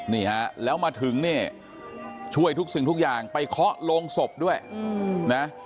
นี่ฮะแล้วมาถึงเนี่ยช่วยทุกสิ่งทุกอย่างไปเคาะโรงศพด้วยนะ